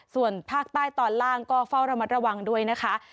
ส่วนภาคใต้ตอนล่างก็เฝ้าระมัดระวังด้วยนะคะ